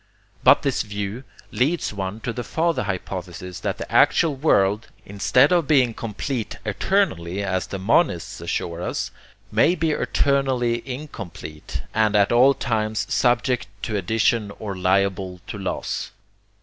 But this view leads one to the farther hypothesis that the actual world, instead of being complete 'eternally,' as the monists assure us, may be eternally incomplete, and at all times subject to addition or liable to loss.